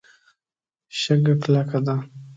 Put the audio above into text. شګه کلکه ده.